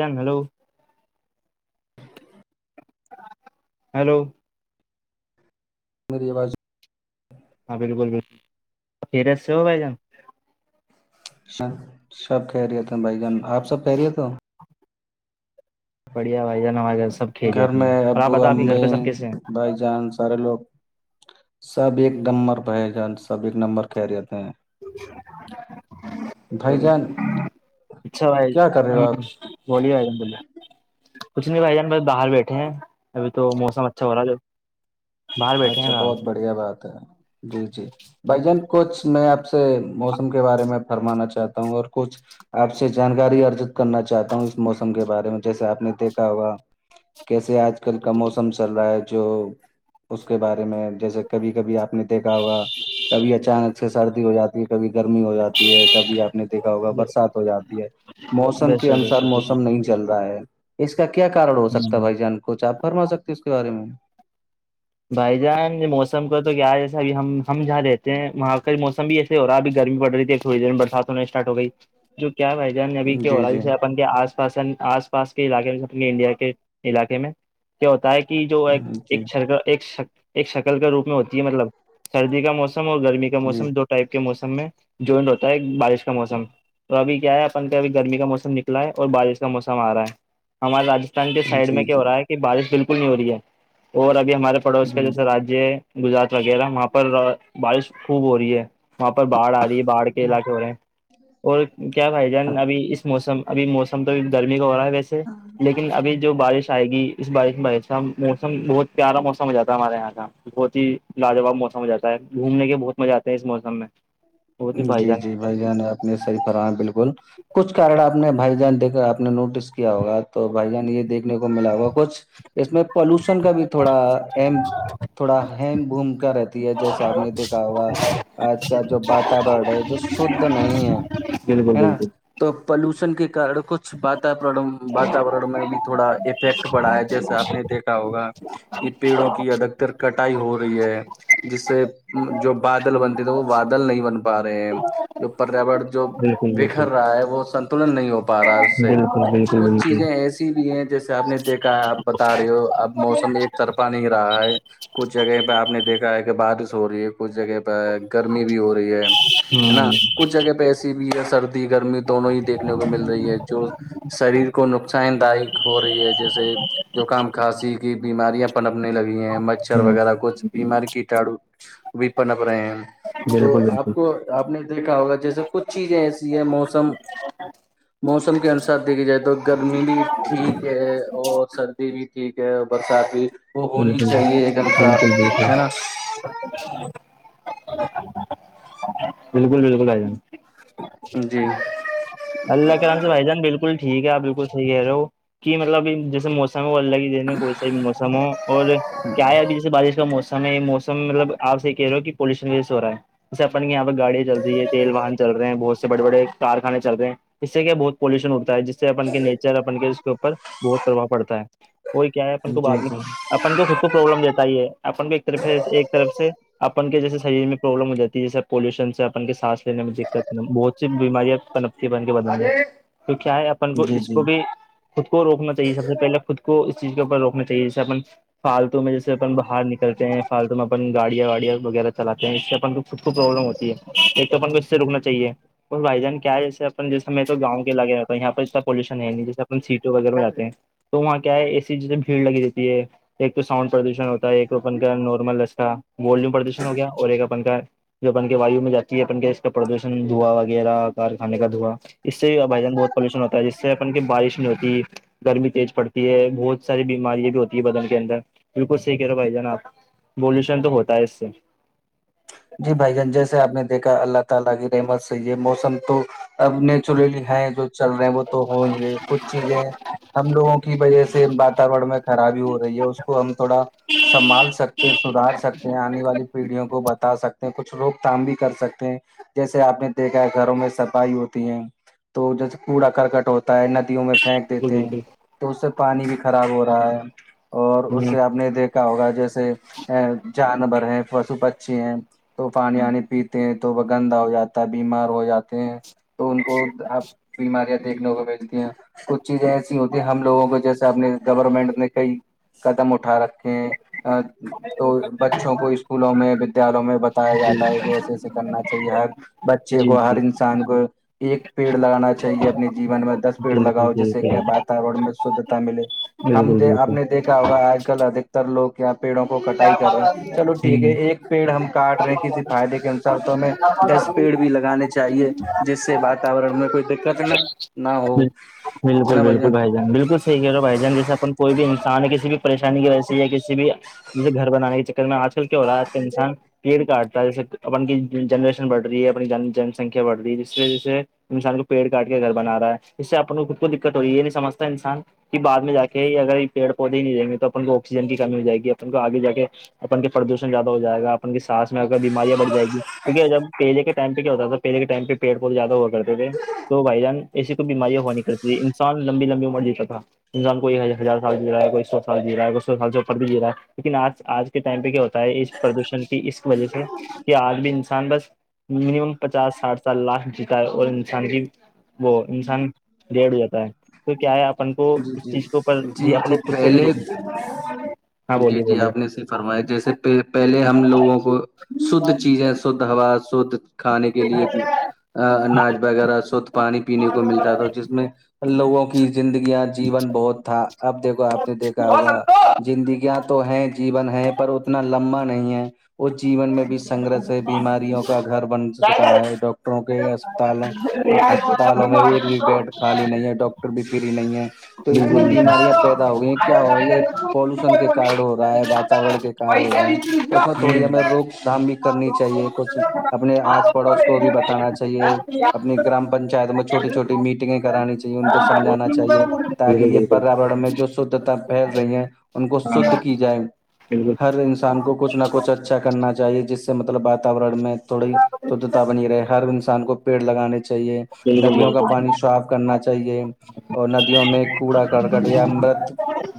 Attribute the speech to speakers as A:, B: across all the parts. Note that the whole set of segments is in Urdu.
A: جانلو ہیلو
B: میریواز
A: ہاں بالکل بالکل پرے سے ہو بھائی جان
B: سب سب کہہ رہیے تھے بھائی جان آپ سب کہہ رہے تھ
A: بڑھیا بائیا نواز
B: گھر میں ابو امی
A: کیسے
B: بھائی جان سارے لوگ سب ایک نمبر بھائی جان سب ایک نمبر خہریتے ہیں بھائی جان
A: اچھا بھائی
B: کیا کر رہے ہو
A: ہ
B: آپ
A: بولیم بلہ کچھ نہیں بھائی جان بس باہر بیٹھے ہیں ابھی تو موسم اچھا ہو رہا ہے جب
B: اچھا بہت بڑھیا بات ہے جی جی بھائی جان کچھ میں آپ سے موسم کے بارے میں فرمانا چاہتا ہوں اور کچھ آپ سے جانکاری ارجت کرنا چاہتا ہوں اس موسم کے بارے میں جیسے آپ نے دیکھا ہوا کیسے آج کل کا موسم چل رہا ہے جو اس کے بارے میں جیسے کبھی کبھی آپ نے دیکھا ہوگا کبھی اچانک سے سردی ہو جاتی کبھی گرمی ہو جاتی ہے کبھی آپ نے دیکھا ہوگا برسات ہو جاتی ہے موسم
A: بے
B: کے
A: شک بے
B: انسار
A: شک
B: موسم نہیں ج چل رہا ہے اس کا کیا کارن ہو
A: ہ
B: سکتا ہے بھائی جان کچھ آپ فرما سکتے اس کے بارے میں
A: بھائی جان موسم کو تو کیا ہے جیسا ابھی ہم ہم جہاں رہتے ہیں وہاں کا موسم بھی ایسے ہو رہا اب گرمی پڑ رہی تھی تھڑی دیر میں برسات ہونے اسٹارٹ ہو گئی جو کیا با ابھی ہو
B: جی
A: رہا
B: جی
A: جیسے اپ کے آس پاس آس پاس کے علاقے میں انڈیا کے علاقے میں کیا ہوتا ہے کہ جو
B: جی
A: ایک شر ایک شکل کے روپ میں ہوتی ہے مطلب سردی کا موسم اور گرمی کا
B: جی
A: موسم دو ٹائپ کے موسم میں جونٹ ہوتا ہے ایک بارش کا موسم تو ابھی کیا ہے اپن کابھی گرمی کا موسم نکلا ہے اور بارش کا موسم آ رہا ہے ہمارے راستھان کے سائڈ میں
B: جی
A: کیا ہو
B: جی
A: رہا ہے کہ بارش بالکل نہیں ہو رہی ہے اور اب ہمارے پڑوس کا
B: جی
A: جیسےاجیہ ہے گجرات وغیرہ وہاں پر بارش خوب ہو رہی ہے وہاں پر باڑھ آ رہی ہے باڑ کے علاقے ہو رہ ہے اور کیا بھائی جان ابھی اس موسم ابھی موسم تو ا گرمی کا ہو رہا ہے ویسے لیکن ابھی جو بارش آئے گی اس بارش میں موسم بہت پیارا موسم مم ہو جاتا ہمارے یہاں کا بہت ہی لاجواب موس ہواتا ہے گھومنے کے بہت مزہ آتے ہیں اس موسم میں بہت ہی
B: جی
A: جان
B: جی بھائی جان اپنے سری فرا بالکل کچھارن آپ نے بھائی جہان دیکھا آپ نے نوٹس کیا ہوگا تو بھائی جان یہ دیکھے دیکنے کو ملا ہوا کچھ اس میں پالوشن کا بھی تھوڑا ام تھوڑا ہیم بھوم کا رہتی ہے جیسے آپ نے دیکھا ہوگا آج کا جو واتورن ہے جو شھ نہیں ہے
A: بالکل
B: ہے نا
A: بالکل
B: تو پلوشن کے کارن کچھ وات واتورن میں بھی تھوڑا ایک افیکٹ پڑا ہے جیسے آپ نے دیکھا ہوگا کہ پیڑوں کی ادھکتر کٹائی ہو رہی ہے جس سے جو بادل بنتے تھے وہ بادل نہیں بن پا رہے ہیں جو پریاور جو
A: بالکل
B: بکھر رہا ہے وہ سنت ن نہیں ہو پا رہا ہے اس سے کچھ چیزیں ایسی بھی ہے جیسے آپ نے دیکھا ہے آپ بتا رہے ہو اب موسم ایک طرفہ نہیں رہا ہے کچھ جگہ پہ آپ نے دیکھا ہے کہ بارش ہو رہی ہے کچھ جگہ پہ گرمی بھی ہو رہی ہے ہے نا کچھ جگہ پہ ایسی بھی ہے سردی گرمی دونوں ہی دیکھنے کو مل رہی ہے جو شریر کو نقصان داک ہو رہی ہے جیسے زکام کھاسی کی بیماریاں پنپنے لگی ہیں مچھر وغیرہ کچھ بیماری کیٹاڑو و پنا پ رہے ہیں تو
A: بالکل بالکل بالکل بالکل ہ ہ بالکل بالکل
B: آپ کو آپ نے دیکھا ہوگا جیسے کچھ چیزیں ایسی ہے موسم
A: ہ
B: موسم کے انوسار دیکھھی جائے تو گرمی بھی ٹھیک ہے اور سر بھی ٹھیک ہے برسات بھی وہ ہونی
A: بالکل بالکل
B: چاہیے ایک انسار
A: بالکل
B: ہے نا
A: بالکل بالکل آ جان
B: جی
A: اللہ کرام سے بھائی جان بالکل ٹھیک ہے آپ بالکل صحیح ہے رہو کہ مطلب جیسے موسم الگ ہی دنے کوسا بھی موسم ہو اور کیا ہے اب جیسے بارش کا موسم ہم موسم مطلب آپ یہ کہہ رہے ہو کہ پولوشن وی ہو رہا ہے جس اپن آپ گاڑیاں چل رہی تیل واہن چلے ہیں بہت سے بڑے بڑے کخانے چل رہ ہیں اس سے کیا بہت پولوشن ہوتا ہےس سے اپن کے نیچر اپن کے اس کے اوپر بہت پربھؤ پڑتا ہے اور کیا ہے اپ کو
B: جی
A: بعد میں
B: جی
A: اپن کو خود کو پرابلم دیتا ہی ہے اپن کو ایک طرف ایک طرف سے اپن کے جیسے شریر میں پروابلم ہو جی ہے جیسے پولوشن سے اپن کے سانس لینے میں دقت بہت بیماریاں کنپی بن کے بدلے تو کیا ہے آپ اپ کو
B: جی
A: اس
B: جی
A: کو بھی خود کو روکنا چاہیے سب سے پہلے خود کو اس چیز کے اوپر روکنا چاہیے جیسے اپ فالتو میں جیسے اپن باہر نکلتے ہیں فالتو میں اپن گاڑیاں واڑیاں وغیرہ چلاتے ہیں اس سے اپن کو خود کو پرابلم ہوتی ہے ایک تو اپن کو اس سے رکنا چاہیے اور بھائی جان کیا جیسے اپ جیسے میں تو گؤں کے علاے رہتا ہوں یہاں پر ا پالوشن ہے نہیں جیسے اپ سٹ وغیرہ میں جتے ہیں تو وہاں کیا ہے اے سی جیسے بھیڑ لگی جاتتی ہے ایک تو سؤنڈ پردوشن ہوتا ہے ایک تو اپن کا نارمل کا وولوم پردوشن ہو گیا اور ایک اپن کا جو اپن کے وایو میں جاتی ہے اپن کے اس کا پردوشن دھواں وغیرہ کار کانے کا دھوا اس سے بائی جان بہت پالوشن ہوتا ہے جس سے اپن کی بارش نہیں ہوتی گرمی تیز پڑتی تی ہے بہت ساری بیماریا بھی ہوتی ہے بدن کے اندر بالک صحی کہہ رہو بھائی جانا آپ بولوشن تو ہوتا ہے اس سے
B: جی بھائی جان جیسے آپ نے دیکھا اللہ تعالا کی رحمت سے یہ موسم تو اب نیچورلی ہے جو چل رہا ہیں وہ تو ہو نہیں گے کچھ چیزیں ہم لوگوں کی وجہ سے واتورن میں خرابی ہو رہی ہے اس کو ہم تھوڑا سنبھال سکتے ہیں سدار سکتے ہیں آنے والی پیڑھیوں کو ب سکتے ہیں کچھ روک تھام بھی کر سکتے ہیں جیسے آپ نے دیکھا ہے گھروں میں صفائی ہوتی ہے تو جیسے کوڑا کرکٹ ہوتا ہے ندیوں میں پھینک دیتے ہیں
A: بالکل
B: تو اس سے پانی بھی خراب ہو رہا ہے اور
A: بالکل
B: اس
A: ہ
B: سے آپ نے دیکھ ہوگا جیسے جانور ہیں پشو پکچی ہیں تو پانی آانی پیتے ہیں تو وہ گندا ہو جاتا ہے بیمار ہو جاتے ہیں تو ان کو آپ بیماریاں دیکھنے کو بیلتی ہیں کچھ چیزیں ایسی ہوتی ہیں ہم لوگوں کو جیسے اپنے گورنمنٹ نے کئی قدم اٹھا رکھا تو بچوں کو اسکولوں میں میں بتایا
A: جی
B: جاتا ہے کہ ایسے ایسے کرنا چاہیے ہر بچے
A: جی
B: کو
A: جی
B: ہر کسان کو ایک پیڑ لگانا چاہیے اپنے جین میں دس پیڑ
A: بالکل
B: لگاؤ جیسے کہ
A: بالکل
B: بات میں شدھتا ملے ہم
A: بالکل
B: آپ نے دیکھا ہوگا آج کل ادھکتر لوگ کیا پیڑوں کو کٹائی کر رہے ہیں چلو ٹھیک ہے ایک پیڑ ہم کاٹ رہے کسی فائدے کے انسار تو ہمیں ڈس پیڈ بھی لگانے چاہیے
A: بالکل
B: جس سے
A: ہ
B: بات وورن میں کوئی دقت نا نہ ہو ہے
A: بالکل
B: نا بھائی
A: بالکل
B: جان
A: بالکل صحیح ہے رہو بھائی جان جیسےن کوئی بھی انسان کسی بھی پریشانی کی وجہ سے یا کسی بھی جیسے گھر بنے کے چکر میں آج کل کیا ہو رہا آ ہے انسان پیڑ کاٹتا ہے جیسے اپن کی جنریشن بڑھ رہی ہے اپنی جن سنکھیا بڑھ رہی ہے جس وجہ سے انسان کو پیڑ کاٹ کے گھر بنا رہا ہے اس سے اپنے کو خود کو دقت ہو رہی یہ نہیں سمجتا انسان کہ بعد میں جا کے ہی اگر پیڑ پودے ہی نہیں جائیں گے تو اپن کو آکسیجن کی کمی ہو جائے گی اپن کو آگے جا کے اپن کے پردوشن زیادہ ہو جائے گا اپن کی سانس میں اگر بیماریاں بھ جائ گی کیونکہ جب پہجے کے ٹائم پہ کیا ہوتا ہے تو پہل کے ٹائ پڑ بہت زیادہ ہو کرتے تھے تو بھائی جان ایسی کوئی بیماریا ہوا نہیں کرتی تھ انسان لمبی لمبی عمر جیتا تھا انسان کوئی ہزار سال جی رہا ہے کوئی سو سال جی رہا ہے کوئی سو سال سے اوپر بھی جیا ہے لیکن آج آج ٹائم پہ کیا ہوتا ہے اس پردوشن کی اس وجہ سے کہ آج بھی انسان بس منیمم پچاس ساٹھ سات لاکھ جیتا ہے اور انسان کی وہ انسان ڈیڑ ہو جاتا ہے تو کیا ہے اپن کو
B: جی
A: ک
B: جی
A: چیز کو اوپر
B: جی
A: دیا
B: جی
A: اپ خود کو بھی
B: پہلے
A: رک
B: جی جی آپ نے صرف فرمایا جیسے پ پہلے ہم لوگوں کو شھ چیزیں شھ ہوا شھ کھانے کے لیے اناج وغیرہ شھ پانی
A: ہو
B: پینے کو ملتا تھا جس میں لوگوں کی زندگیاں جیون بہت تھا اب دیکھو آپ نے دیکھا ہوگا
A: سکتا
B: زندگیاں تو ہیں جیون ہے پر اتنا لمبا نہیں ہے اس جیون میں بھی سنگرش ہے بیماریوں کا گھر بن چکا ہے ڈاکٹروں کے
A: بالکل
B: اسپتالوں اسپتالوں میں ایک بھی بیڈ خالی نہیں ہے ڈاکٹر بھی فری نہیں ہے تو اتنی بیماریاں پیدا ہو گئی ہیں کیا ہو رہی ہے پولوشن کے کارن ہو رہا ہے واتاورن کے ار ہو رہا ہے اس میں تھوڑی ہمیں روک تھام بھی کرنی چاہیے کچھ اپنے آس پڑوس کو بھی بتانا چاہے چاہیے اپنی گرام پنچات
A: بالکل
B: میں چھوٹی چھوٹی میٹنگیں کرانی چاہیے ان کو
A: ہاں
B: سمجھانا
A: بالکل
B: چاہیے تاکہ
A: بالکل
B: یہ پریاورن میں جو شھتا پھیل رہی ہے ان کو شھ کی جائے ہر انسان کو کھ نہ کچھ اچھا کرنا چاہیے جس سے مطلب واورن میں تھوڑی شدھتا بنی رہے ہر انسان کو پیڑ لگانے چاہیے ندیوں کا پانی صاف کرنا چاہیے اور ند میں کوڑا کرکٹ یا م مرت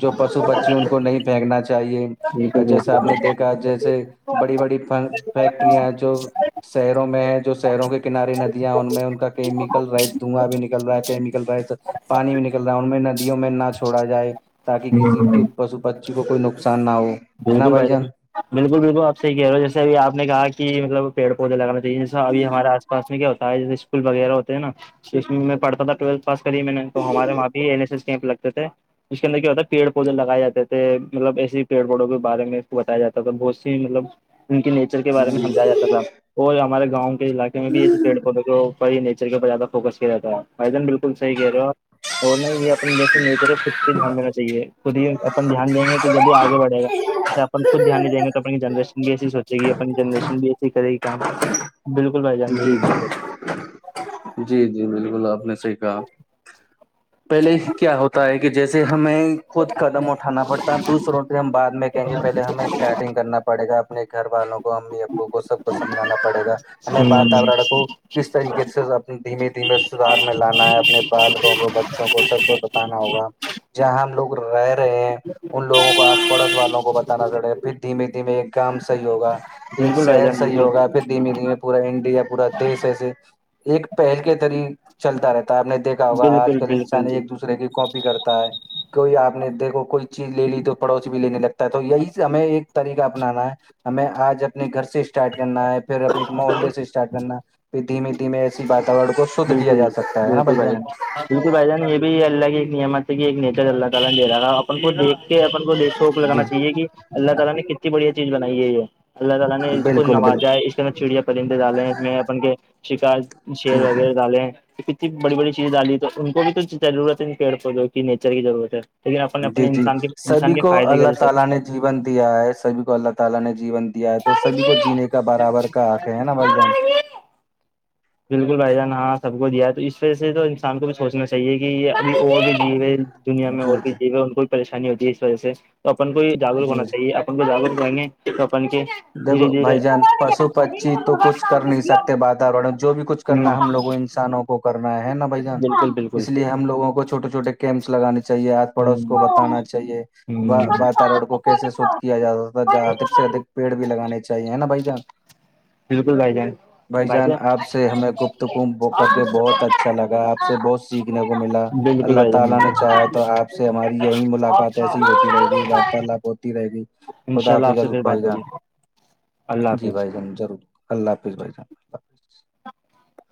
B: جو پشو پچی ان کو نہیں پھینکنا چاہیے
A: بالکل بالکل
B: جیسے آپ
A: بالکل
B: نے دیکھا جیسے بڑی بڑی فیکٹریاں جو شہروں میں ہے جو شہروں کے کنارے ندیاں ہیں ان میں ان کا کیمیکل رہ دھواں بھی نکل رہا ہے کیمیکل رہیت پانی بھی نہیں ن میں ندیوں میں نہ چھڑا جائے تاکہ کسی
A: ہوں
B: کے پشو پچی کو کوئی نقصان نہ ہو
A: بالکل بھائی جان بالکل بالکل آپ صح کہہ رہے ہو جیسےبھی آپ نےا کہ مطلب پیڑ پودے لگانے جیسا ابھی ہمارے آس پاس میں کیا ہوتا ہے جے اسکول وغیر ہوتے نا تو اس میں پڑھتا تھا ٹویلتھ س کری میں نے تو ہمارے وہاں بھی این ایس ایس کیمپ لگا تھے اس کے اندر کیا ہوتا تھا پیڑ پودے لگائے جاتے تھے مطلب ایسی پیڑ پڑوں کے بارے میں کو بتایا جاتا تھا بہت سی مطلب ان کے نیچر کے بارے میں سمجایا جاتا تھا اور ہمارے گاؤں کے علاقے میں بھی ایسے پیڑ پودے جو یچر کے ا زیادہ فکس کیا جاتا ہےن بالکل صح کہہ رہو آپ اور نہ یہ اپ جیسے نیچر کو خودہ دھیان دینا چاہیے خود ہی اپن دھیان دیں گے تو جب آپ بڑے گا جسے اپ خود دھیان نہیں دیں گے تو اپنی جنریشن بھی ایسی سوچے گی اپنی جنریشن بھی ایسی کرے گی کام بالکل بھائی جان بھی
B: جی
A: سک
B: جی جی جی بالکل آپ نے صحی کہا پہلے کیا ہوتا ہے کہ جیسے ہمیں خود قدم اٹھانا پڑتا ہے دوسروں سے ہم بد میں کہیں گے پہلے ہمیں اسٹارٹنگ کرنا پڑے گا اپنے گھر والوں کو امی ابو کو سب کو سمجھانا پڑے گا ہم میں واتور کو کس طریقے سےب دھیمے دھیمے سدار میں لانا ہے اپنے بالکوں کو بچوں کو سب کو بتانا ہوگا جہاں ہم لوگ رہ رہے ہیں ان لوگوں کو آس پا پڑوس والوں کو بتانا پڑےا پھر دھیمے دھیمے ایک کام صحی ہوگا ایک
A: بالکل بھائی
B: شہر
A: جان
B: صحی
A: بالکل
B: ہوگا پھر دھیمے دھیمے پورا انڈیا پورا دیش ایسے ایک پہل کے طری چلتا رہتا آپ نے دیکھا ہوگا
A: بالکل
B: آج
A: بالکل
B: کل انسان
A: بالکل
B: ایک دوسرے کی کاپی کرتا ہے کوئی آپ نے دیکھو کوئی چیز لے لی تو پڑوسی بھی لینے لگتا ہے تو یہی ہمیں ایک طریقہ اپنانا ہے ہمیں آج اپنے گھر سے اسٹارٹ کرنا ہے پھر اپنے ایک محلے سے اسٹارٹ کرنا ہے پھر دھیمے دھیمےے واتاورن کو شھ کیا
A: بالکل
B: جا سکتا ہے نا
A: بالکل
B: بھ
A: بھائی
B: جان
A: بھائی جان یہ بھی اللہ کی نعمت نیچر تک اللہ تعالی اندھیرا تھا اپن کو دیکھ کے اپن کو د سوک
B: جی
A: لگانا چاہیے کہ اللہ تعالی نے کتنی بڑھیا چیز بنائی ہے یہ اللہ تعالی نے اس کو
B: بالکل بالکل
A: نوازائے اس طرح چڑیا پرندے ڈالے ہیں میں اپن کے شکار شر وغیرہ ڈالے ہیں کتنی بڑی بڑی چیزیں ڈالی تو ان کو بھی تو ضرورت ہے پیڑ پودوں کی نیچر کی ضرورت ہے لیکن اپن
B: جی
A: اپنے
B: جی
A: انسان کے انسان
B: سبھی
A: کے
B: کو
A: فائدے کی
B: اللہ
A: وجہ سے
B: تعالی نے جیون دیا ہے سبھی کو اللہ تعالی نے جین دیا ہے تو سبھی کو جینے کا برابر کا آنکھ ہے نا بھائی جان
A: بالکل بھائی جان ہاں سب کو دیا تو اس وجہ سے تو انسان کو بھی سوچنا چاہیے کہ یہنی اور بھی دیے ہو دنیا میں اور
B: جی
A: بھی
B: جی
A: جیو ہے ان کو بھی پریشانی ہوتی ہے اس وجہ سے تو اپن کو جاگروک ہونا
B: جی
A: چاہیے کو جاگرکیں گے ک اپن کے دھیرے
B: دیکھو
A: دھیرے
B: بھائی
A: ہوں
B: جان پشو پچھی تو کچھ کر نہیں سکتے واتورن جو بھی کچھ کرنا ہم لوگوں انسانوں کو کرنا ہے نا بھ جان
A: بالکل بالکل
B: اس لیے ہم لوگ کو چوٹے چھوے کیمپس لگانے چاہیے آس پڑوس کو بتانا چاہیے واتاور کو کیسے شھ کیا جاتا تھا ج ادک سے ادک پیڑ بھی لگانے چاہیے نا بھائی جان
A: بالکل بھا ی جان
B: بھائی
A: بھای جان
B: آپ سے ہمیں گفتگو کر کے بہت اچھا لگا آپ سے بہت سیکھنے کو ملا
A: بالکل
B: اللہ
A: بھائی جان
B: تعالی نے چاہا تو
A: بکل
B: آپ سے ہماری یہی ملاقات ایسی ہوتی رہے گی وارتالپ ہوتی رہے گی
A: انشاء
B: خدا
A: اللہ آپ سے
B: حفضل
A: پھر
B: بھائی
A: بات
B: جان
A: ہوگی اللہ
B: جی
A: حافظ
B: بھائی جان ضرور اللہ حافظ بھائی جان اللہ حافظ
A: ہاں [unintelligible]